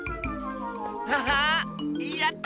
ハハッやった！